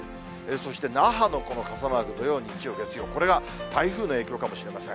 そして那覇のこの傘マーク、土曜、日曜、月曜、これが台風の影響かもしれません。